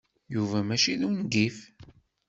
Yuba mačči d ungif.